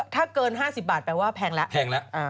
ถ้าเกิน๕๐บาทแปลว่าแพงแล้ว